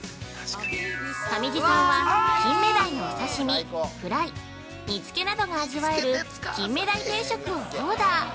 上地さんは、キンメダイのお刺身フライ、煮付けなどが味わえる金目鯛定食をオーダー。